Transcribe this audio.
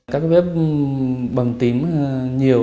các bếp bầm tím nhiều